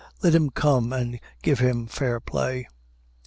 Let him come, and give him fair play."